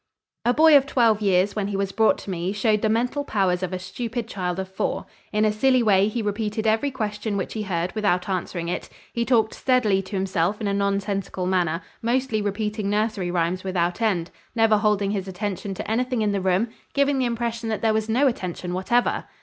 A boy of twelve years when he was brought to me showed the mental powers of a stupid child of four. In a silly way he repeated every question which he heard without answering it; he talked steadily to himself in a nonsensical manner, mostly repeating nursery rhymes without end, never holding his attention to anything in the room, giving the impression that there was no attention whatever.